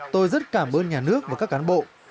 tôi rất cảm ơn nhà nước và các cán bộ